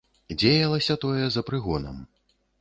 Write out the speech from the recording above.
Дзеялася тое за прыгонам.